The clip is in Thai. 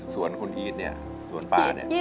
สวนคุณอีชสวนป้า